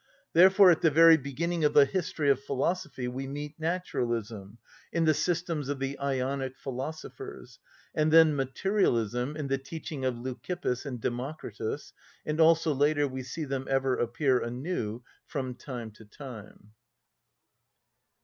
Therefore at the very beginning of the history of philosophy we meet naturalism, in the systems of the Ionic philosophers, and then materialism in the teaching of Leucippus and Democritus, and also later we see them ever appear anew from time to time.